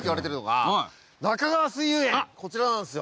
こちらなんですよ。